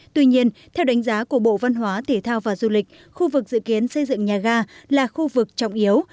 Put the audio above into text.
tuy nhiên theo đánh giá của bộ văn hóa thể thao và du lịch khu vực dự kiến xây dựng nhà ga là khu vực trọng yếu